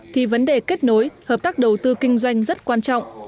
thì vấn đề kết nối hợp tác đầu tư kinh doanh rất quan trọng